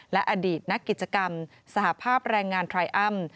และอดีตนักกิจกรรมสหภาพแรงงานไทรอัม